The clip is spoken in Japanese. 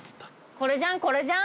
これじゃんこれじゃん？